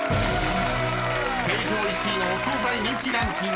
［成城石井のお惣菜人気ランキング